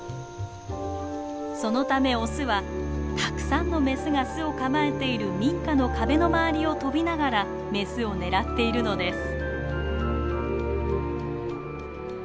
そのためオスはたくさんのメスが巣を構えている民家の壁の周りを飛びながらメスを狙っているのです。